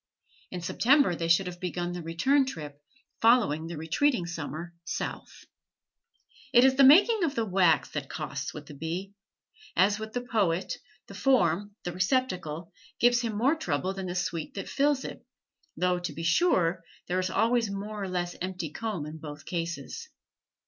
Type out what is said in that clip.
In September they should have begun the return trip, following the retreating summer South. It is the making of the wax that costs with the bee. As with the poet, the form, the receptacle, gives him more trouble than the sweet that fills it, though, to be sure, there is always more or less empty comb in both cases.